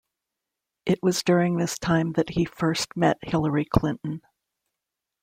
It was during this time that he first met Hillary Clinton.